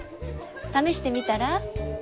試してみたら？